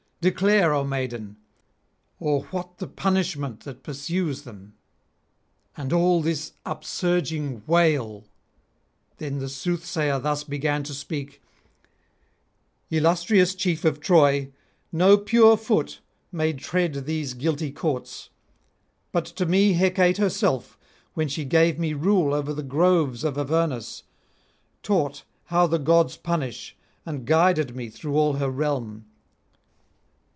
declare, O maiden; or what the punishment that pursues them, and all this upsurging wail?' Then the soothsayer thus began to speak: 'Illustrious chief of Troy, no pure foot may tread these guilty courts; but to me Hecate herself, when she gave me rule over the groves of Avernus, taught how the gods punish, and guided me through all her realm.